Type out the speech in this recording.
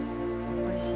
おいしい。